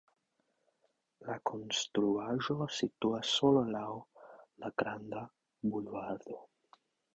La konstruaĵo situas sola laŭ la granda bulvardo.